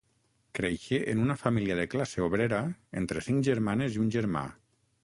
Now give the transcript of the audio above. Creixé en una família de classe obrera entre cinc germanes i un germà.